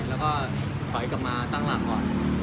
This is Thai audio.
แล้วก็ถอยกลับมาตั้งหลักก่อน